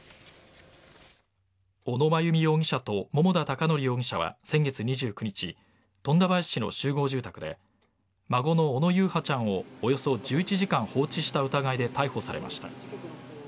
小野真由美容疑者と桃田貴徳容疑者は先月２９日富田林市の集合住宅で孫の小野優陽ちゃんをおよそ１１時間放置した疑いで逮捕されました。